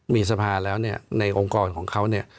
มีสภาพแล้วในองค์กรของเขาเนี่ย